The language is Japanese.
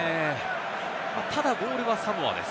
ただボールはサモアです。